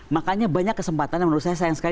makanya banyak kesempatan yang menurut saya sayang sekali